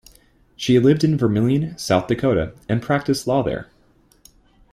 She lived in Vermillion, South Dakota and practiced law there.